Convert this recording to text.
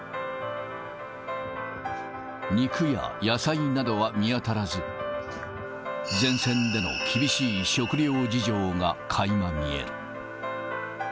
肉や野菜などは見当たらず、前線での厳しい食糧事情がかいま見える。